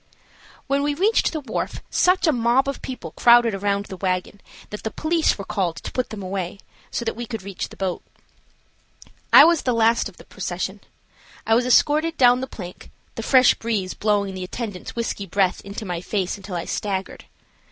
When we reached the wharf such a mob of people crowded around the wagon that the police were called to put them away, so that we could reach the boat. I was the last of the procession. I was escorted down the plank, the fresh breeze blowing the attendants' whisky breath into my face until I staggered.